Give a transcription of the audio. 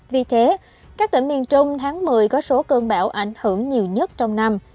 vì thế các tỉnh miền trung tháng một mươi có số cơn bão ảnh hưởng nhiều nhất trong năm